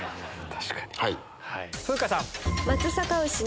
確かに！